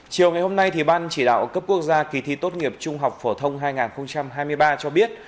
chiều ngày hôm nay ban chỉ đạo cấp quốc gia kỳ thi tốt nghiệp trung học phổ thông hai nghìn hai mươi ba cho biết